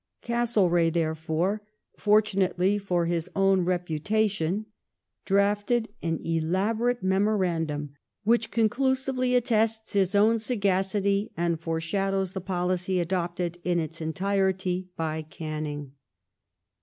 Castle reagh, therefore, fortunately for his own reputation, drafted an elaborate memorandum, which conclusively attests his own sagacity and foreshadows the policy adopted in its entirety by Canning.